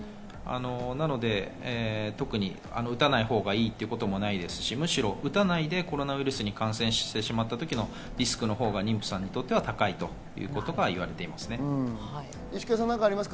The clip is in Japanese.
なので特に打たないほうがいいということもないですし、むしろ打たないでコロナウイルスに感染してしまった時のリスクのほうが妊婦さんにとっては高いということが言われています。